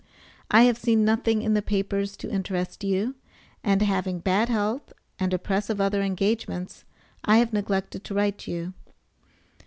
I have seen nothing in the papers to interest you, and having bad health and a press of other engagements, I have neglected to write you.